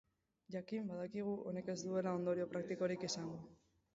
Jakin badakigu honek ez duela ondorio praktikorik izango.